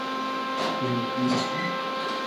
Pri tiu ĉi?